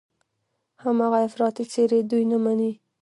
هماغه افراطي څېرې دوی نه مني.